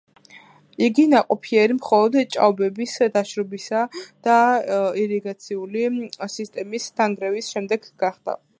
იგი ნაყოფიერი მხოლოდ ჭაობების დაშრობისა და ირიგაციული სისტემის დანერგვის შემდეგ გახდა.